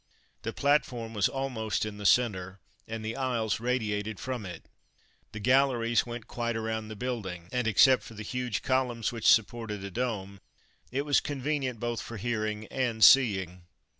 The platform was almost in the centre, and the aisles radiated from it. The galleries went quite around the building, and, except for the huge columns which supported a dome, it was convenient both for hearing and seeing.